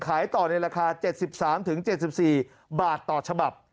ขายต่อในราคา๗๓๗๔บาทต่อฉบับ